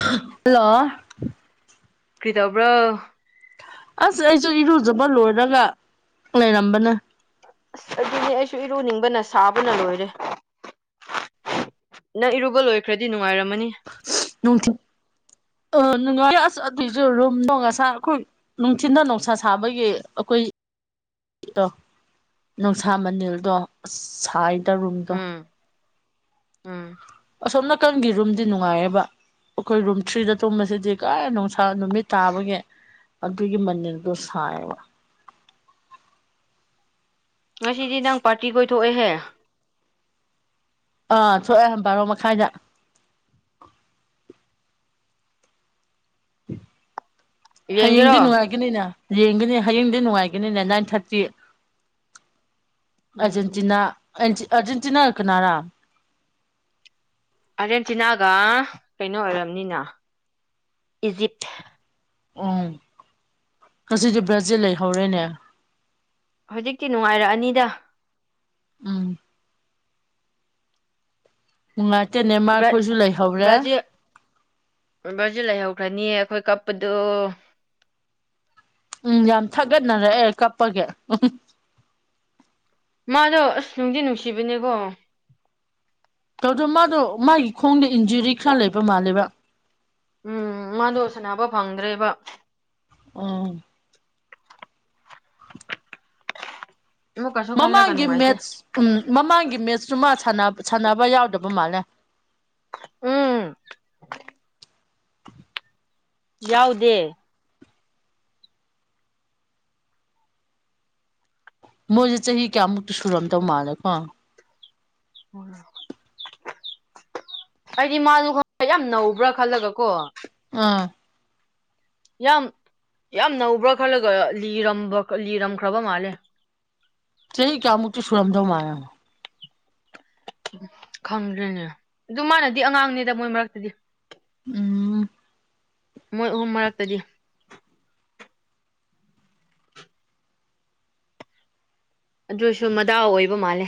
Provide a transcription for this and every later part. hello ꯀ꯭ꯔꯤꯗꯧꯕ꯭ꯔꯣ ꯑꯁ ꯑꯩꯁꯨ ꯏꯔꯨꯖꯕ ꯂꯣꯏꯔꯒ ꯂꯩꯔꯝꯕꯅꯦ ꯑꯁ ꯑꯗꯨꯅ‌ꯦ ꯑꯩꯁꯨ ꯏꯔꯨꯅꯤꯡꯕꯅ ꯁꯥꯕꯅ ꯂꯣꯏꯔꯦ ꯅꯪ ꯏꯔꯨꯕ ꯂꯣꯏꯈ꯭ꯔꯗꯤ ꯅꯨꯡꯉꯥꯏꯔꯝꯃꯅꯤ ꯅꯨꯡꯊꯤꯜ ꯑ ꯅꯨꯡꯉꯥꯏꯌ‌ꯦ ꯑꯁ ꯑꯗꯨꯏꯁꯨ ꯔꯨꯝꯗ‌ꯣ ꯉꯁꯥꯏ ꯑꯩꯈꯣꯏ ꯅꯨꯡꯊꯤꯟꯗꯣ ꯅꯨꯡꯁꯥ ꯁꯥꯕꯒꯤ ꯑꯈꯣꯏ ꯇꯣ ꯅꯨꯡꯁꯥ ꯃꯅꯤꯜꯗꯣ ꯑꯁ ꯁꯥꯏꯗ ꯔꯨꯝꯗꯣ ꯎꯝ ꯎꯝ ꯑꯁꯣꯝ ꯅꯥꯀꯟꯒꯤ ꯔꯨꯝꯗꯤ ꯅꯨꯡꯉꯥꯏꯌꯦꯕ ꯑꯈꯣꯏ ꯔꯨꯝ ꯊ꯭ꯔꯤꯗ ꯇꯨꯝꯕꯁꯤꯗꯤ ꯀꯔꯥꯏ ꯅꯨꯡꯁꯥ ꯅꯨꯃꯤꯠ ꯇꯥꯕꯒꯦ ꯑꯗꯨꯒꯤ ꯃꯅꯤꯜꯗꯣ ꯁꯥꯏꯌ‌ꯦꯕ ꯉꯁꯤꯗꯤ ꯅꯪ ꯄꯥꯔꯇꯤ ꯀꯣꯏꯊꯣꯛꯑꯦꯍꯦ ꯑꯥ ꯊꯣꯛꯑꯦ ꯕꯥꯔꯣ ꯃꯈꯥꯏꯗ ꯌꯦꯡꯒꯦꯔꯣ ꯍꯌꯦꯡꯗꯤ ꯅꯨꯡꯉꯥꯏꯒꯅꯤꯅ ꯌꯦꯡꯒꯅꯤ ꯍꯌꯦꯡꯗꯤ ꯅꯨꯡꯉꯥꯏꯒꯅꯤꯅꯦ ꯅꯥꯏꯟ ꯊꯥꯔꯇꯤ ꯎꯝ ꯑꯔꯖꯦꯟꯇꯤꯅꯥ ꯑꯔꯖꯦꯟꯇꯤꯅꯥꯒ ꯀꯅꯥꯔꯥ ꯑꯥꯔꯖꯦꯟꯇꯤꯅꯥꯒ ꯀꯩꯅꯣ ꯑꯣꯏꯔꯝꯅꯤꯅ ꯏꯖꯤꯞ ꯎꯝ ꯉꯁꯤꯗꯤ ꯕ꯭ꯔꯥꯖꯤꯜ ꯂꯩꯍꯧꯔꯦꯅꯦ ꯍꯧꯖꯤꯛꯇꯤ ꯅꯨꯡꯉꯥꯏꯔꯛꯑꯅꯤꯗ ꯎꯝ ꯅꯨꯡꯉꯥꯏꯇꯦꯅ‌ꯦ ꯅꯦꯃꯥꯔ ꯕ꯭ꯔꯠ ꯈꯣꯏꯁꯨ ꯂꯩꯍꯧꯔꯦ ꯕꯔꯖꯤꯜ ꯂꯩꯍꯧꯈ꯭ꯔꯅꯤ ꯑꯩꯈꯣꯏ ꯀꯞꯄꯗꯣ ꯎꯝ ꯌꯥꯝ ꯊꯥꯒꯠꯅꯔꯛꯑꯦ ꯀꯞꯄꯒꯤ ꯎꯝ ꯃꯥꯗꯣ ꯑꯁ ꯅꯨꯡꯗꯤ ꯅꯨꯡꯁꯤꯕꯅꯦꯀ‌ꯣ ꯇꯧꯗꯣ ꯃꯥꯗꯣ ꯃꯥꯒꯤ ꯈꯣꯡꯗ ꯏꯟꯖꯨꯔꯤ ꯈꯔ ꯂꯩꯕ ꯃꯥꯜꯂꯦꯕ ꯎꯝ ꯃꯥꯗꯣ ꯁꯥꯟꯅꯕ ꯐꯪꯗ꯭ꯔꯦꯕ ꯑꯥ ꯑꯃꯨꯛꯀꯁꯨ ꯈꯜꯂꯒ ꯃꯃꯥꯡꯒꯤ ꯅꯨꯡꯉꯥꯏꯇꯦ ꯃꯦꯠꯁ ꯎꯝ ꯃꯃꯥꯡꯒꯤ ꯃꯦꯠꯁꯨ ꯃꯥ ꯁꯥꯕ ꯁꯥꯟꯅꯕ ꯌꯥꯎꯗꯕ ꯃꯥꯜꯂꯦ ꯎꯝ ꯌꯥꯎꯗꯦ ꯃꯣꯏꯁꯦ ꯆꯍꯤ ꯀꯌꯥꯃꯨꯛꯇꯤ ꯁꯨꯔꯝꯗꯧ ꯃꯥꯜꯂꯦꯀꯣ ꯑꯣ ꯑꯩꯗꯤ ꯃꯥꯗꯣ ꯈꯪꯕ꯭ꯔꯥ ꯌꯥꯝ ꯅꯧꯕ꯭ꯔꯥ ꯈꯜꯂꯒ ꯀꯣ [inaudible] ꯌꯥꯝ ꯌꯥꯝ ꯅꯧꯕ꯭ꯔꯥ ꯈꯜꯂꯒꯔ ꯂꯤꯔꯝꯕ ꯂꯤꯔꯝꯈ꯭ꯔꯕ ꯃꯥꯜꯂꯦ ꯆꯍꯤ ꯀꯌꯥꯃꯨꯛꯇꯤ ꯁꯨꯔꯝꯗꯧ ꯃꯥꯥꯜꯂꯤ ꯈꯪꯗ꯭ꯔꯦꯅꯦ ꯑꯗꯨ ꯃꯥꯅꯗꯤ ꯑꯉꯥꯡꯅꯤꯗ ꯃꯣꯏ ꯃꯔꯛꯇꯗꯤ ꯎꯝ ꯃꯣꯏ ꯑꯍꯨꯝ ꯃꯔꯛꯇꯗꯤ ꯑꯗꯣꯏꯁꯨ ꯃꯗꯥꯎ ꯑꯣꯏꯕ ꯃꯥꯜꯂꯦ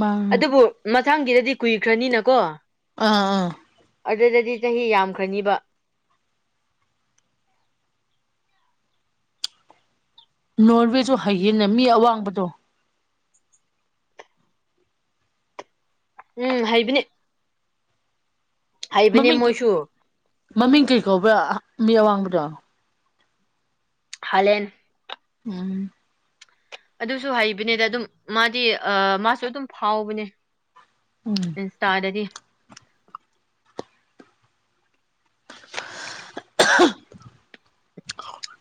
ꯃꯥꯡ ꯑꯗꯨꯕꯨ ꯃꯊꯪꯒꯤꯗꯗꯤ ꯀꯨꯏꯈ꯭ꯔꯅꯤꯅꯀꯣ ꯑꯥ ꯑꯥ ꯑꯗꯨꯗꯗꯤ ꯆꯍꯤ ꯌꯥꯝꯈ꯭ꯔꯥꯅꯤꯕ ꯅꯣꯔꯋꯦꯁꯨ ꯍꯩꯌꯦꯡꯅꯦ ꯃꯤ ꯑꯋꯥꯡꯕꯗꯣ ꯎꯝ ꯍꯩꯕꯅꯤ ꯍꯩꯕꯅꯦ ꯃꯃꯤꯡ ꯀꯤ ꯃꯣꯏꯁꯨ ꯃꯃꯤꯡ ꯀꯧꯕ꯭ꯔꯥ ꯃꯤ ꯑꯋꯥꯡꯕꯗꯣ ꯍꯥꯂꯦꯟ ꯎꯝ ꯑꯗꯨꯁꯨ ꯍꯩꯕꯅꯦꯗ ꯑꯗꯨꯝ ꯃꯥꯗꯤ ꯑꯥ ꯃꯥꯁꯨ ꯑꯗꯨꯝ ꯐꯥꯎꯕꯅꯦ ꯎꯝ ꯏꯁꯇꯥꯥꯗꯗꯤ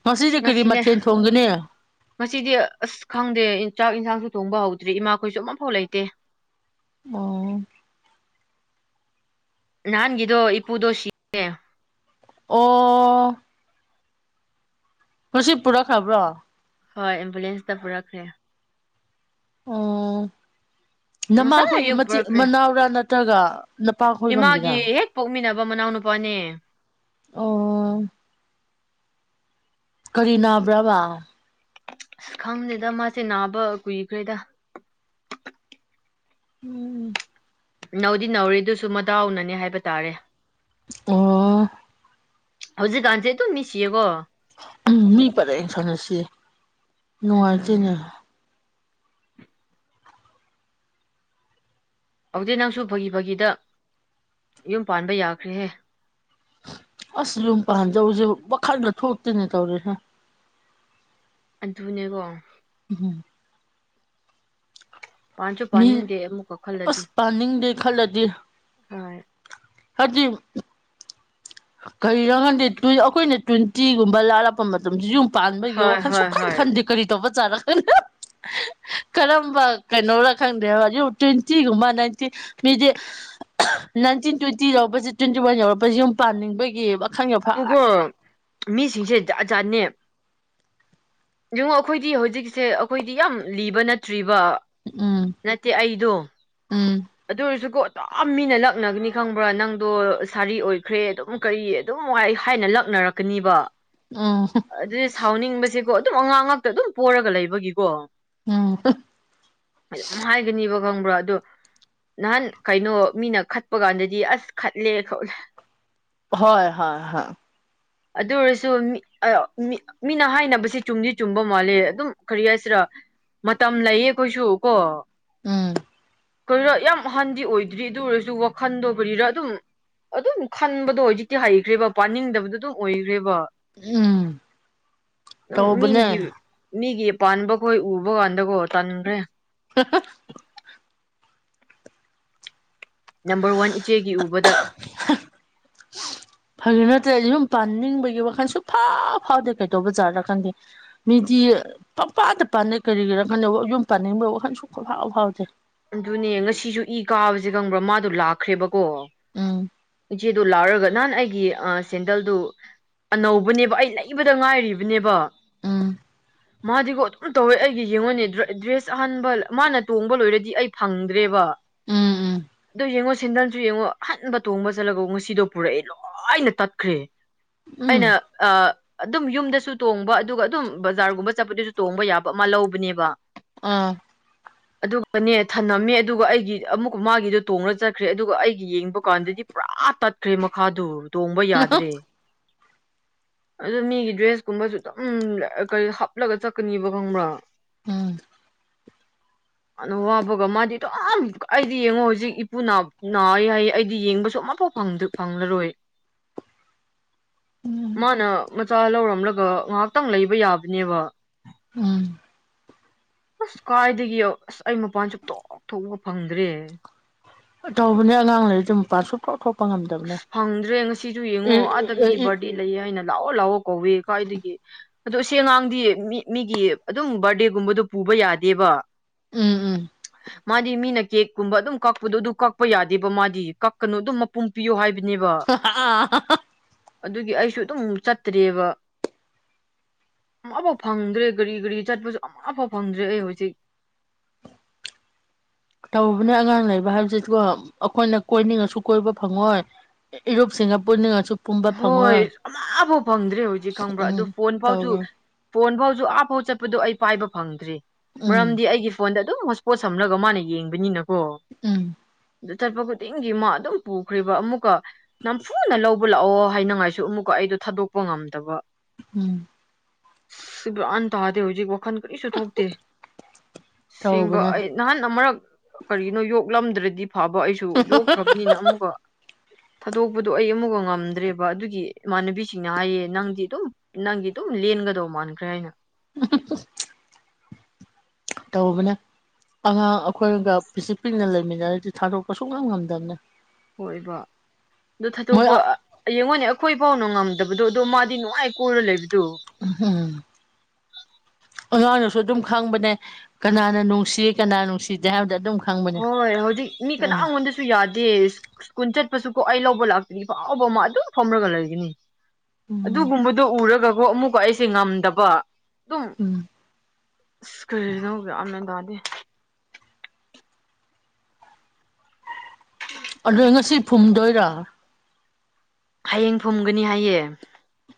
ꯉꯥꯁꯤꯗꯤ ꯀꯔꯤ ꯉꯁꯤꯅꯦ ꯃꯊꯦꯜ ꯊꯣꯡꯒꯅꯤ ꯉꯁꯤꯗꯤ ꯑꯁ ꯈꯪꯗꯦ ꯆꯥꯛ ꯏꯟꯁꯥꯡꯁꯨ ꯊꯣꯡꯕ ꯍꯧꯗ꯭ꯔꯤ ꯏꯃꯥꯈꯣꯏꯁꯨ ꯑꯃꯐꯥꯎ ꯂꯩꯇꯦ ꯑꯣ ꯅꯥꯟꯒꯤꯗꯣ ꯏꯄꯨꯗꯣꯁꯤ [unintelligible] ꯑꯣ ꯉꯁꯤ ꯄꯨꯔꯛꯈ꯭ꯔꯥꯕ꯭ꯔꯣ ꯍꯣꯏ ꯑꯦꯝꯕꯨꯂꯦꯟꯁꯇ ꯄꯨꯔꯛꯈ꯭ꯔꯦ ꯑꯣ ꯉꯁꯥꯏ ꯅꯃꯥꯈꯣꯏꯒꯤ ꯑꯌꯨꯛ ꯃꯆꯦ ꯄꯨꯔꯛꯈ꯭ꯔꯦ ꯃꯅꯥꯎꯔꯥ ꯅꯠꯇ꯭ꯔꯒ ꯅꯄꯥ ꯈꯣꯏꯔꯣꯝꯒꯤꯔꯥ ꯏꯃꯥꯒꯤ ꯍꯦꯛ ꯄꯣꯛꯃꯤꯟꯅꯕ ꯃꯅꯥꯎꯅꯨꯄꯥꯅꯦ ꯑꯣ ꯀꯔꯤ ꯅꯥꯕ꯭ꯔꯥꯕ ꯑꯁ ꯈꯪꯗꯦꯗ ꯃꯥꯁꯦ ꯅꯥꯕ ꯀꯨꯏꯈ꯭ꯔꯦꯗ ꯎꯝ ꯅꯧꯎꯗꯤ ꯅꯧꯔꯤꯗꯨꯁꯨ ꯃꯇꯗꯥꯎꯅꯅꯦ ꯍꯥꯏꯕ ꯇꯥꯔꯦ ꯑꯣ ꯍꯧꯖꯤꯛ ꯀꯟꯖꯦ ꯑꯗꯨꯝ ꯃꯤꯁꯤꯌꯦꯀꯣ ꯎꯝ ꯃꯤ ꯄꯔꯦꯡ ꯁꯥꯟꯅꯁꯤ ꯅꯨꯡꯉꯥꯏꯇꯦꯅꯦ ꯍꯧꯖꯤꯛ ꯅꯪꯁꯨ ꯐꯥꯒꯤ ꯐꯥꯒꯤꯗ ꯌꯨꯝ ꯄꯥꯟꯕ ꯌꯥꯈ꯭ꯔꯦꯍꯦ ꯑꯁ ꯌꯨꯝ ꯄꯥꯟꯗꯧꯕꯖꯤꯕꯨ ꯋꯥꯈꯜꯒ ꯊꯣꯛꯇꯦꯅꯦ ꯇꯧꯔꯤꯖꯦ ꯑꯗꯨꯅꯦꯀꯣ ꯎꯝ ꯄꯥꯟꯁꯨ ꯃꯤ ꯄꯥꯅꯤꯡꯗꯦ ꯑꯃꯨꯛꯀ ꯈꯜꯂꯗꯤ ꯑꯁ ꯄꯥꯅꯤꯡꯗꯦ ꯈꯜꯂꯗꯤ ꯍꯣꯏ ꯍꯥꯏꯗꯤ ꯀꯔꯤꯔ ꯈꯪꯗꯦ ꯑꯩꯈꯣꯏꯅ ꯇ꯭ꯋꯦꯟꯇꯤꯒꯨꯝꯕ ꯂꯥꯜꯂꯛꯄ ꯃꯇꯝꯁꯤ ꯌꯨꯝ ꯄꯥꯟꯕꯒꯤ ꯍꯣꯏ ꯋꯥꯈꯜ ꯍꯣꯏ ꯁꯨꯛꯈꯥꯟ ꯍꯣꯏ ꯈꯟꯗꯦ ꯀꯔꯤ ꯇꯧꯕꯖꯥꯠꯔ ꯀꯔꯝꯕ ꯀꯩꯅꯣꯔꯥ ꯈꯪꯗꯦ ꯌꯨꯝ ꯇ꯭ꯋꯦꯟꯇꯤꯒꯨꯝꯕ ꯅꯥꯏꯟꯇꯤꯟ ꯃꯤꯗꯤ ꯅꯥꯏꯟꯇꯤꯟ ꯇ꯭ꯋꯦꯟꯇꯤ ꯌꯧꯕꯁꯦ ꯇ꯭ꯋꯦꯟꯇꯤ ꯋꯥꯟ ꯌꯥꯎꯔꯛꯄꯁꯦ ꯌꯨꯝ ꯄꯥꯅꯤꯡꯕꯒꯤꯕ ꯋꯥ ꯑꯗꯨꯒꯣ ꯃꯤꯁꯤꯡꯁꯦ ꯖꯠ ꯖꯥꯠꯅꯦ ꯌꯦꯡꯉꯣ ꯑꯩꯈꯣꯏꯗꯤ ꯍꯧꯖꯤꯛꯁꯦ ꯑꯩꯈꯣꯏꯗꯤ ꯌꯥꯝ ꯂꯤꯕ ꯅꯠꯇ꯭ꯔꯤꯕ ꯎꯝ ꯅꯠꯇꯦ ꯑꯩꯗꯣ ꯎꯝ ꯑꯗꯨ ꯑꯣꯏꯔꯁꯨꯀꯣ ꯑꯗꯨꯝ ꯃꯤꯅ ꯂꯛꯅꯒꯅꯤ ꯈꯪꯕ꯭ꯔꯥ ꯅꯪꯗꯣ ꯁꯥꯔꯤ ꯑꯣꯏꯈ꯭ꯔꯦ ꯑꯗꯨꯝ ꯀꯔꯤ ꯑꯗꯨꯝ ꯋꯥꯍꯩ ꯍꯥꯏꯅ ꯂꯛꯅꯔꯛꯀꯅꯤꯕ ꯎꯝ ꯑꯗꯨꯗꯤ ꯁꯥꯎꯅꯤꯡꯕꯁꯦꯀꯣ ꯑꯗꯨꯝ ꯑꯉꯥꯡ ꯉꯥꯛꯛꯇ ꯑꯗꯨꯝ ꯄꯣꯔꯒ ꯂꯩꯕꯒꯤꯀꯣ ꯎꯝ ꯑꯗꯨꯝ ꯍꯥꯏꯒꯅꯤꯕ ꯈꯪꯕ꯭ꯔꯥ ꯑꯗꯣ ꯅꯍꯥꯟ ꯀꯩꯅꯣ ꯃꯤꯅ ꯈꯠꯄ ꯀꯥꯟꯗꯗꯤ ꯑꯁ ꯈꯠꯂꯦ ꯈꯣꯠꯂꯦ ꯍꯣꯏ ꯍꯣꯏ ꯍꯣꯏ ꯑꯗꯨ ꯑꯣꯏꯔꯁꯨ ꯃꯤ ꯑꯥ ꯃꯤ ꯃꯤꯅ ꯍꯥꯏꯅꯕꯁꯤ ꯆꯨꯝꯗꯤ ꯆꯨꯝꯕ ꯃꯥꯜꯂꯦ ꯑꯗꯨꯝ ꯀꯔꯤ ꯍꯥꯏꯁꯤꯔ ꯃꯇꯝ ꯂꯩꯌꯦ ꯑꯩꯈꯣꯏꯁꯨ ꯀꯣ ꯎꯝ ꯀꯔꯤꯔ ꯌꯥꯝ ꯍꯥꯟꯗꯤ ꯑꯣꯏꯗ꯭ꯔꯤ ꯑꯗꯨ ꯑꯣꯏꯔꯁꯨ ꯋꯥꯈꯟꯗꯣ ꯀꯔꯤꯔ ꯑꯗꯨꯝ ꯑꯗꯨꯝ ꯈꯟꯕꯗꯣ ꯍꯧꯖꯤꯛꯇꯤ ꯍꯩꯈ꯭ꯔꯦꯕ ꯄꯥꯅꯤꯡꯗꯕꯗꯣ ꯑꯗꯨꯝ ꯑꯣꯏꯈ꯭ꯔꯦꯕ ꯎꯝ ꯑꯗꯨꯝ ꯇꯧꯕꯅꯦ ꯃꯤꯒꯤ ꯃꯤꯒꯤ ꯄꯥꯟꯕꯈꯣꯏ ꯎꯕ ꯀꯥꯟꯗꯀꯣ ꯇꯟꯈ꯭ꯔꯦ [unintelligible] ꯅꯝꯕꯔ ꯋꯥꯟ ꯏꯆꯦꯒꯤ ꯎꯕꯗ [inaudible] ꯐꯥꯒꯤ ꯅꯠꯇ꯭ꯔꯦ ꯌꯨꯝ ꯄꯥꯅꯤꯡꯕꯒꯤ ꯋꯥꯈꯟ ꯁꯨꯛ ꯐꯥꯎ ꯐꯥꯎꯗꯦ ꯀꯩꯗꯧꯕꯖꯥꯠꯔ ꯈꯪꯗꯦ ꯃꯤꯗꯤ ꯄꯪꯄꯥꯟꯗ ꯄꯥꯟꯅꯩ ꯀꯔꯤꯒꯤꯔꯥ ꯈꯪꯗꯦ ꯌꯨꯝ ꯄꯥꯅꯤꯡꯕꯩ ꯋꯥꯈꯟ ꯁꯨꯛ ꯐꯥꯎ ꯐꯥꯎꯗꯦ ꯑꯗꯨꯅꯦ ꯉꯁꯤꯁꯨ ꯏ ꯀꯥꯕꯖꯦ ꯈꯪꯕ꯭ꯔꯥ ꯃꯥꯗꯣ ꯂꯥꯛꯈ꯭ꯔꯦꯕꯀꯣ ꯎꯝ ꯏꯆꯦ ꯑꯗꯨ ꯂꯥꯛꯔꯒ ꯅꯍꯥꯟ ꯑꯩꯒꯤ ꯑꯥ ꯁꯦꯟꯗꯜꯗꯨ ꯑꯅꯧꯕꯅꯦꯕ ꯑꯩ ꯂꯩꯕꯗ ꯉꯥꯏꯔꯤꯕꯅꯦꯕ ꯎꯝ ꯃꯥꯗꯤꯒꯣ ꯑꯗꯨꯝ ꯇꯧꯋꯦ ꯑꯩꯒꯤ ꯌꯦꯡꯉꯣꯅꯦ ꯗ꯭ꯔꯦꯁ ꯗ꯭ꯔꯦꯁ ꯑꯍꯟꯕ ꯃꯥꯅ ꯇꯣꯡꯕ ꯂꯣꯏꯔꯗꯤ ꯑꯩ ꯐꯪꯗ꯭ꯔꯦꯕ ꯎꯝ ꯎꯝ ꯑꯗꯨ ꯌꯦꯡꯉꯣ ꯁꯦꯟꯗꯜ ꯌꯦꯡꯉꯣ ꯑꯍꯟꯕ ꯇꯣꯡꯕꯉ ꯆꯠꯂꯒ ꯉꯁꯤꯗꯣ ꯄꯨꯔꯛꯑꯦ ꯂꯣꯏꯅ ꯇꯠꯈ꯭ꯔꯦ ꯎꯝ ꯑꯩꯅ ꯑꯥ ꯑꯗꯨꯝ ꯌꯨꯝꯗꯁꯨ ꯇꯣꯡꯕ ꯑꯗꯨꯒ ꯑꯗꯨꯝ ꯕꯖꯥꯔꯒꯨꯝꯕ ꯆꯠꯄꯗꯖꯨ ꯇꯣꯡꯕ ꯌꯥꯕ ꯑꯃ ꯂꯧꯕꯅꯦꯕ ꯑꯥ ꯀꯅꯦ ꯊꯝꯃꯝꯃꯦ ꯑꯗꯨꯒ ꯑꯩꯒꯤ ꯑꯃꯨꯛꯀ ꯃꯥꯒꯤꯗꯣ ꯇꯣꯡꯡꯂꯒ ꯆꯠꯈ꯭ꯔꯦ ꯑꯗꯨꯒ ꯑꯩꯒꯤ ꯌꯦꯡꯕ ꯀꯥꯟꯗꯗꯤ ꯄꯨꯔꯥ ꯇꯠꯈ꯭ꯔꯦ ꯃꯈꯥꯗꯨ ꯇꯣꯡꯕ ꯌꯥꯗ꯭ꯔꯦ [inaudible] ꯑꯗꯨ ꯃꯤꯒꯤ ꯗ꯭ꯔꯦꯁ ꯀꯨꯝꯕꯁꯨ ꯑꯗꯨꯝ ꯀꯔꯤ ꯍꯥꯞꯂꯒ ꯆꯠꯀꯅꯤꯕ ꯈꯪꯕ꯭ꯔꯥ ꯎꯝ ꯑꯗꯣ ꯍꯥꯞꯄꯒ ꯃꯥꯗꯤ ꯑꯗꯨꯝ ꯑꯩꯗꯤ ꯌꯦꯡꯉꯣ ꯍꯧꯖꯤꯛ ꯏꯄꯨ ꯅꯥ ꯅꯥꯏ ꯍꯥꯏꯌꯦ ꯑꯩꯗꯤ ꯌꯦꯡꯕꯁꯨ ꯑꯃꯐꯥꯎ ꯐꯪꯗꯦ ꯐꯪꯂꯔꯣꯏ [inaudible] ꯃꯥꯅ ꯃꯆꯥ ꯂꯧꯔꯝꯂꯒ ꯉꯥꯏꯍꯥꯛꯇꯪ ꯂꯩꯕ ꯌꯥꯕꯅꯦꯕ ꯎꯝ ꯑꯁ ꯀꯥꯏꯗꯒꯤ ꯑꯁ ꯑꯩ ꯃꯄꯥꯟ ꯁꯨꯛꯊꯣꯛ ꯊꯣꯛꯣꯛꯑꯥꯄ ꯐꯪꯗ꯭ꯔꯦ ꯇꯧꯕꯅꯦ ꯑꯉꯥꯡ ꯂꯩꯔꯗꯤ ꯃꯄꯥꯁꯨ ꯊꯣꯛ ꯊꯣꯛꯄ ꯉꯝꯗꯕ ꯑꯁ ꯐꯪꯗ꯭ꯔꯦ ꯉꯁꯤꯁꯨ ꯌꯦꯡꯉꯣ ꯑꯥꯗ ꯃꯤ ꯕꯥꯔꯗꯦ ꯂꯩꯌꯦ ꯍꯥꯏꯅ ꯂꯥꯛꯑꯣ ꯂꯥꯛꯑꯣ ꯀꯧꯋꯦ ꯀꯥꯏꯗꯒꯤ ꯑꯗꯣ ꯑꯁꯤ ꯑꯉꯥꯡꯗꯤ ꯃꯤ ꯃꯤꯒꯤ ꯑꯗꯨꯝ ꯕꯥꯔꯗꯦꯒꯨꯝꯕꯗꯨ ꯄꯨꯕ ꯌꯥꯗꯦꯕ ꯎꯝ ꯎꯝ ꯃꯥꯗꯤ ꯃꯤꯅ ꯀꯦꯛꯀꯨꯝꯕ ꯑꯗꯨꯝ ꯀꯛꯄꯗꯣ ꯑꯗꯨ ꯀꯛꯄ ꯌꯥꯗꯦꯕ ꯃꯥꯗꯤ ꯀꯛꯀꯅꯨ ꯑꯗꯨꯝ ꯄꯨꯡ ꯄꯤꯌꯣ ꯍꯥꯏꯕꯅꯦꯕ ꯑꯗꯨꯒꯤ ꯑꯩꯁꯨ ꯑꯗꯨꯝ ꯆꯠꯇ꯭ꯔꯔꯤꯕ ꯑꯃꯐꯥꯎ ꯐꯪꯗ꯭ꯔꯦ ꯒꯥꯔꯤ ꯒꯥꯔꯤ ꯆꯠꯄꯁꯨ ꯑꯃꯐꯥꯎ ꯐꯪꯗ꯭ꯔꯦ ꯑꯩ ꯍꯧꯖꯤꯛ ꯇꯧꯕꯅꯦ ꯑꯉꯥꯡ ꯂꯩꯕ ꯍꯥꯏꯕꯁꯤꯀꯣ ꯑꯩꯈꯣꯏꯅ ꯀꯣꯏꯅꯤꯡꯉꯁꯨ ꯀꯣꯏꯕ ꯐꯪꯉꯣꯏ ꯏꯔꯨꯞꯁꯤꯡꯒ ꯄꯨꯟꯅꯤꯡꯉꯁꯨ ꯄꯨꯝꯕ ꯍꯣꯏ ꯐꯪꯉꯣꯏ ꯑꯃꯐꯥꯎ ꯐꯪꯗ꯭ꯔꯦ ꯍꯧꯖꯤꯛ ꯈꯪꯕ꯭ꯔꯥ ꯑꯗꯨꯣ ꯎꯝ ꯐꯣꯟ ꯐꯥꯎꯁꯨ ꯇꯧꯕꯅꯦ ꯐꯣꯟ ꯐꯥꯎꯁꯨ ꯑꯥꯞ ꯐꯥꯎ ꯆꯠꯄꯗꯣ ꯑꯩ ꯄꯥꯏꯕ ꯐꯪꯗ꯭ꯔꯤ ꯎꯝ ꯃꯔꯝꯗꯤ ꯑꯩꯒꯤ ꯐꯣꯟꯗ ꯑꯗꯨꯝ ꯍꯣꯁꯄꯣꯠ ꯁꯝꯂꯒ ꯃꯥꯅ ꯌꯦꯡꯕꯅꯤꯅꯀꯣ ꯎꯝ ꯑꯗꯨ ꯆꯠꯄ ꯈꯨꯗꯤꯡꯒꯤ ꯃꯥ ꯑꯗꯨꯝ ꯄꯨꯈ꯭ꯔꯦꯕ ꯑꯃꯨꯛꯀ ꯅꯝꯐꯨꯅ ꯂꯧꯕ ꯄꯨ ꯂꯥꯛꯑꯣ ꯍꯥꯏꯅꯉꯥꯏꯁꯨ ꯑꯃꯨꯛꯀ ꯑꯩꯗꯣ ꯊꯥꯗꯣꯛꯄ ꯉꯝꯗꯕ ꯎꯝ ꯁꯤ ꯒ꯭ꯌꯥꯟ ꯇꯥꯗꯦ ꯍꯧꯖꯤꯛ ꯋꯥꯈꯜ ꯀꯔꯤꯁꯨ ꯊꯣꯛꯇꯦ ꯁꯦꯡꯕ ꯇꯧꯕꯅꯦ ꯑꯩ ꯅꯍꯥꯟ ꯑꯃꯔꯛ ꯀꯔꯤꯅꯣ ꯌꯣꯛꯂꯝꯗ꯭ꯔꯗꯤ ꯐꯕ ꯑꯩꯁꯨ ꯌꯣꯛꯈ꯭ꯔꯕꯅꯤꯅ ꯑꯃꯨꯛꯀ ꯊꯥꯗꫭꯛꯄꯗꯨ ꯑꯩ ꯑꯃꯨꯛ ꯉꯝ ꯉꯝꯗ꯭ꯔꯦꯕ ꯑꯗꯨꯒꯤ ꯏꯃꯥꯟꯅꯕꯤꯁꯤꯡꯅ ꯍꯥꯏꯌꯦ ꯅꯪꯗꯤ ꯑꯗꯨꯝ ꯅꯪꯗꯤ ꯑꯗꯨꯝ ꯂꯦꯟꯒꯗꯧ ꯃꯥꯟꯈ꯭ꯔꯦ ꯍꯥꯏꯅ [unintelligible] ꯇꯧꯕꯅꯦ ꯑꯉꯥꯡ ꯑꯩꯈꯣꯏꯒ ꯄꯤꯁꯛ ꯄꯤꯛꯅ ꯂꯩꯃꯤꯟꯅꯔꯗꯤ ꯊꯗꫭꯛꯄ ꯁꯨꯛꯉꯝ ꯉꯝꯗꯝꯅꯦ ꯍꯣꯏꯕ ꯑꯗꯨ ꯊꯥꯗꯣꯛꯄ ꯌꯦꯡꯉꯣꯅꯦ ꯑꯩꯈꯣꯏ ꯐꯥꯎꯅ ꯉꯝꯗꯕꯗꯣ ꯑꯗꯣ ꯃꯥꯗꯤ ꯅꯨꯡꯉꯥꯏ ꯀꯣꯏꯔ ꯂꯩꯕꯗꯣ ꯑꯍꯝ ꯑꯖꯥꯅꯁꯨ ꯑꯗꯨꯝ ꯈꯪꯕꯅꯦ ꯀꯅꯥꯅ ꯅꯨꯡꯁꯤ ꯀꯅꯥ ꯅꯨꯡꯁꯤꯗꯦ ꯍꯥꯏꯕꯗꯣ ꯑꯗꯨꯝ ꯈꯪꯕꯅꯦ ꯍꯣꯏ ꯍꯧꯖꯤꯛ ꯃꯤ ꯎꯝ ꯀꯅꯥꯉꫭꯟꯅꯗꯁꯨ ꯌꯥꯗꯦ ꯁ꯭ꯀꯨꯜ ꯆꯠꯄꯁꯨ ꯀꯣ ꯑꯩ ꯂꯧꯕ ꯂꯥꯛꯇꯔꯤꯐꯥꯎꯕ ꯃ ꯑꯗꯨꯝ ꯐꯝꯔꯒ ꯂꯩꯒꯅꯤ ꯎꯝ ꯑꯗꯨꯒꯨꯝꯕꯗꯣ ꯎꯔꯒꯀꯣ ꯑꯃꯨꯛꯀ ꯑꯩꯁꯦ ꯉꯝꯗꯕ ꯑꯗꯨꯝ ꯎꯝ ꯏꯁ ꯀꯔꯤꯅꯧ ꯒꯌꯥꯟ ꯃꯦꯟ ꯇꯗꯦ ꯑꯗꯣ ꯉꯁꯤ ꯐꯨꯝꯗꯣꯏꯔꯥ ꯍꯌꯦꯡ ꯐꯨꯝꯒꯅꯤ ꯍꯥꯏꯌꯦ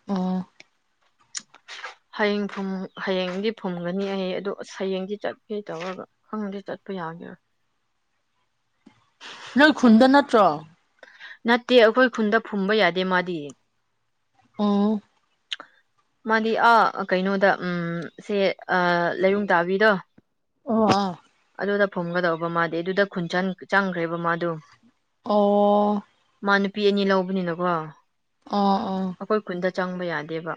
ꯑꯣ ꯍꯌꯦꯡ ꯐꯨꯝ ꯍꯌꯦꯡꯗꯤ ꯐꯨꯝꯒꯅꯤ ꯍꯥꯌꯦ ꯑꯗꯨ ꯑꯁ ꯍꯌꯦꯡꯁꯦ ꯆꯠꯀꯦ ꯇꯧꯔꯒ ꯈꯪꯗꯦ ꯆꯠꯄ ꯌꯥꯒꯦꯔꯥ ꯅꯣꯏ ꯈꯨꯟꯗ ꯅꯠꯇ꯭ꯔꯣ ꯅꯠꯇꯦ ꯑꯩꯈꯣꯏ ꯈꯨꯟꯗ ꯐꯨꯝꯕ ꯌꯥꯗꯦ ꯃꯥꯗꯤ ꯑꯣ ꯃꯥꯗꯤ ꯑꯥ ꯀꯩꯅꯣꯗ ꯁꯦ ꯂꯩꯔꯨꯡ ꯇꯥꯕꯤꯗꯣ ꯑꯣ ꯑ ꯑꯗꯨꯗ ꯐꯨꯝꯒꯗꯧꯕ ꯃꯥꯗꯤ ꯑꯗꯨꯗ ꯈꯨꯟꯆꯟ ꯆꯪꯈ꯭ꯔꯦꯕ ꯃꯥꯗꯣ ꯑꯣ ꯃꯥ ꯅꯨꯄꯤ ꯑꯅꯤ ꯂꯧꯕꯅꯤꯅꯀꯣ ꯑꯥ ꯑꯥ ꯑꯩꯈꯣꯏ ꯈꯨꯟꯗ ꯆꯪꯕ ꯌꯥꯗꯦꯕ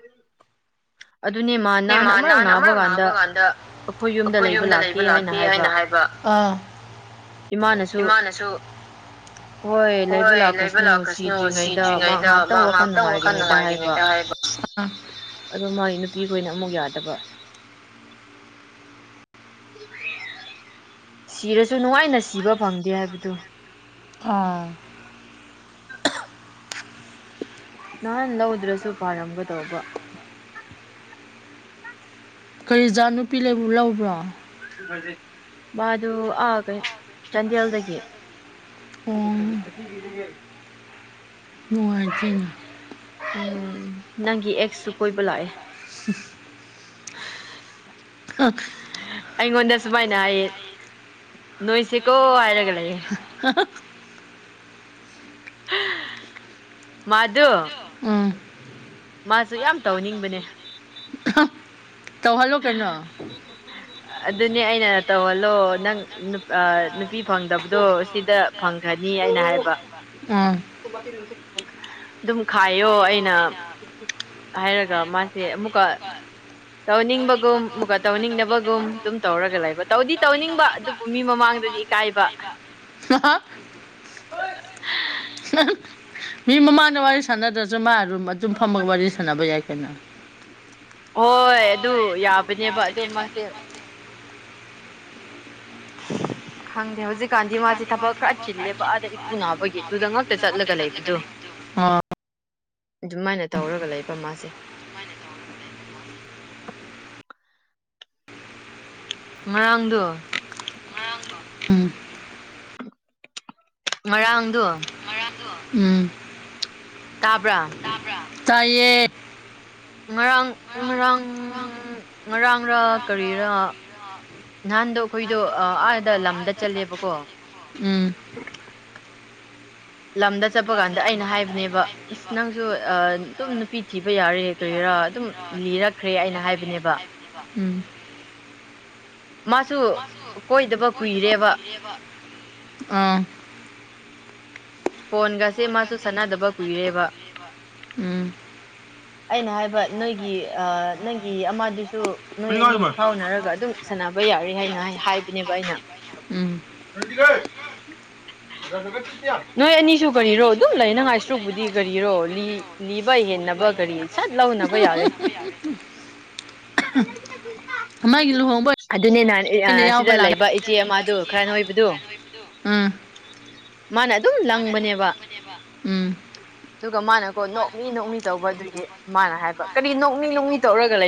ꯑꯗꯨꯅꯦ ꯃꯥ [inaudible] ꯅꯍꯥꯟ ꯏꯃꯥꯟ ꯑꯃꯨꯔꯛ ꯅꯥꯟ ꯑꯃꯔꯛ ꯅꯥꯕ ꯀꯥꯟꯗ ꯑꯩꯈꯣꯏ ꯌꯨꯝꯗ ꯂꯩꯕ ꯂꯥꯛꯀꯦ ꯍꯥꯏ ꯅ ꯍꯥꯏꯕ ꯑꯥ ꯏꯃꯥꯅꯁꯨ ꯍꯣꯏ ꯂꯩꯕ ꯂꯥꯈ꯭ꯔꯥꯁꯅꯨ ꯁꯤꯗ꯭ꯔꯤꯉꯩꯗ ꯃꯥ ꯉꯥꯏꯍꯥꯛꯇꯪ ꯋꯥꯈꯜ ꯅꯨꯡꯉꯥꯏꯔꯤꯉꯩꯗ ꯍꯥꯏꯕ [unintelligible] ꯑꯗꯣ ꯃꯥꯏ ꯅꯨꯄꯤꯈꯣꯏꯅ ꯑꯃꯨꯛ ꯌꯥꯗꯕ ꯁꯤꯔꯁꯨ ꯅꯨꯡꯉꯥꯏꯅ ꯁꯤꯕ ꯐꯪꯗꯦ ꯍꯥꯏꯕꯗꯨ ꯑꯥ ꯅꯍꯥꯟ ꯂꯧꯗ꯭ꯔꯥꯁꯨ ꯐꯥꯔꯝꯒꯗꯧꯕ ꯀꯔꯤ ꯖꯥꯠ ꯅꯨꯄꯤ ꯂꯧ ꯂꯧꯕ꯭ꯔꯣ ꯃꯥꯗꯨ ꯑ ꯀꯩ ꯆꯥꯟꯗꯦꯜꯗꯒꯤ [unintelligible] ꯅꯨꯡꯉꯥꯏꯇꯦꯅꯦ ꯎꯝ ꯅꯪꯒꯤ ꯑꯦꯛꯁꯁꯨ ꯀꯣꯏꯕ ꯂꯥꯛꯑꯦ ꯍꯨꯝ ꯑꯩꯉꯣꯟꯗ ꯁꯨꯃꯥꯏꯅ ꯍꯥꯏꯌꯦ ꯅꯣꯏꯁꯤꯀꯣ ꯍꯥꯏꯔꯒ ꯂꯩꯌꯦ [unintelligible] ꯍꯥ [unintelligible] ꯃꯥꯗꯣ ꯎꯝ ꯃꯥꯁꯨ ꯌꯥꯝ ꯇꯧꯅꯤꯡꯕꯅꯦ ꯇꯧꯍꯜꯂꯣ ꯀꯩꯅꯣ ꯑꯗꯨꯅꯦ ꯑꯩꯅ ꯇꯧꯍꯜꯂꯣ ꯅꯪ ꯅꯨꯄꯤ ꯐꯪꯗꯕꯗꯣ ꯁꯤꯗ ꯐꯪꯈ꯭ꯔꯅꯤ ꯑꯩꯅ ꯍꯥꯏꯕ ꯎꯝ [unintelligible] ꯑꯗꯨꯝ ꯈꯥꯏꯌꯣ ꯑꯩꯅ ꯍꯥꯏꯔꯒ ꯃꯥꯁꯦ ꯑꯃꯨꯛꯀ ꯇꯧꯅꯤꯡꯕꯒꯨꯝ ꯑꯗꯨꯒ ꯇꯧꯅꯤꯡꯗꯕꯒꯨꯝ ꯁꯤ ꯇꯧꯔꯒ ꯂꯩꯕ ꯇꯧꯗꯤ ꯇꯧꯅꯤꯡꯕ ꯅꯨꯄꯤ ꯃꯃꯥꯡꯗꯗꯤ ꯏꯀꯥꯏꯕ ꯍꯥꯍꯥ ꯃꯤ ꯃꯃꯥꯅ ꯋꯥꯔꯤ ꯁꯥꯟꯅꯗ꯭ꯔꯁꯨ ꯃꯥ ꯑꯗꯨꯝ ꯑꯗꯨꯝ ꯐꯝꯃꯒ ꯋꯥꯔꯤ ꯁꯥꯟꯅꯕ ꯌꯥꯏ ꯀꯩꯅꯣ ꯍꯣꯏ ꯑꯗꯨ ꯌꯥꯕꯅꯦꯕ ꯑꯗꯨ ꯃꯥꯁꯦ ꯈꯪꯗꯦ ꯍꯧꯖꯤꯛ ꯀꯥꯟꯗꯤ ꯃꯥꯁꯦ ꯊꯕꯛ ꯈꯔ ꯆꯤꯜꯂꯦꯕ ꯑꯥꯗ ꯏꯄꯨ ꯅꯥꯕꯒꯤ ꯑꯗꯨꯗ ꯉꯥꯛꯛꯇ ꯆꯠꯂꯒ ꯂꯩꯕꯗꯣ ꯑꯣ ꯑꯗꯨꯃꯥꯏꯅ ꯇꯧꯔꯒ ꯂꯩꯕ ꯃꯥꯁꯦ ꯉꯔꯥꯡꯗꯨ ꯎꯝ ꯉꯔꯥꯡꯗꯣ ꯎꯝ ꯇꯥꯕ꯭ꯔꯥ ꯇꯥꯏꯌꯦ ꯉꯔꯥꯡ ꯉꯔꯥꯡ ꯉꯔꯥꯡꯔꯥ ꯀꯔꯤꯔꯥ ꯅꯍꯥꯟꯗꯣ ꯑꯩꯈꯣꯏꯗꯣ ꯑꯥ ꯑꯥꯗ ꯂꯝꯗ ꯆꯠꯂꯦꯕꯀꯣ ꯎꯝ ꯂꯝꯗ ꯆꯠꯄ ꯀꯥꯟꯗ ꯑꯩꯅ ꯍꯥꯏꯕꯅꯦꯕ ꯑꯁ ꯅꯪꯁꯨ ꯑꯥ ꯑꯗꯨꯝ ꯅꯨꯄꯤ ꯊꯤꯕ ꯌꯥꯔꯦ ꯀꯔꯤꯔꯥ ꯑꯗꯨꯝ ꯂꯤꯔꯛꯈ꯭ꯔꯦ ꯑꯩꯅ ꯍꯥꯏꯕꯅꯦꯕ ꯎꯝ ꯃꯥꯁꯨ ꯀꯣꯏꯗꯕ ꯀꯨꯏꯔꯦꯕ ꯌꯦꯕꯥ ꯑꯥ ꯐꯣꯟꯒꯁꯦ ꯃꯥꯁꯨ ꯁꯥꯟꯅꯗꯕ ꯀꯨꯏꯔꯦꯕ ꯎꯝ ꯑꯩꯅ ꯍꯥꯏꯕ ꯅꯣꯏꯒꯤ ꯑ ꯅꯪꯒꯤ ꯑꯃꯗꯨꯁꯨ ꯅꯣꯏꯅꯤ ꯐꯥꯎꯅꯔꯒ ꯑꯗꯨꯝ ꯁꯥꯟꯅꯕ ꯌꯥꯔꯦ ꯍꯥꯏꯅ ꯍꯥꯏ ꯍꯥꯏꯕꯅꯦꯕ ꯑꯩꯅ ꯎꯝ [unintelligible] ꯅꯣꯏ ꯑꯅꯤꯁꯨ ꯀꯔꯤꯔꯣ ꯑꯗꯨꯝ ꯂꯩ ꯅꯪ ꯉꯥꯏꯁ꯭ꯔꯨꯛꯕꯨꯗꯤ ꯀꯔꯤꯔꯣ ꯂꯤꯕ ꯍꯦꯟꯅꯕ ꯀꯔꯤ ꯁꯠ ꯂꯧꯅꯕ ꯌꯥꯔꯦ ꯑꯃꯥꯒꯤ ꯂꯨꯍꯣꯡꯕ ꯑꯗꯨꯅꯦ ꯅꯍꯥꯟ__ ꯑꯦꯌꯥ ꯑꯣꯏꯅ ꯑꯁꯤꯗ ꯌꯥꯎꯕ ꯂꯥꯛꯀꯦ ꯂꯩꯕ ꯁꯤꯗ ꯏꯆꯦ ꯂꯩꯕ ꯑꯃꯗꯨ ꯏꯆꯦ ꯈꯔ ꯑꯃꯗꯨ ꯅꯣꯏꯕꯗꯨ ꯈꯔ ꯅꯣꯏꯕꯗꯨ ꯎꯝ ꯃꯥꯅ__ ꯂꯪꯕꯅꯦꯕ ꯎꯝ ꯑꯗꯨꯒ ꯃꯥꯅꯀꯣ ꯅꯣꯛꯃꯤ ꯅꯣꯛꯃꯤ ꯇꯧꯕ ꯑꯗꯨꯒꯤ ꯃꯥꯅ ꯍꯥꯏꯕ ꯀꯔꯤ ꯅꯣꯛꯃꯤ ꯅꯣꯛꯃꯤ ꯇꯧꯔꯒ ꯂꯩ__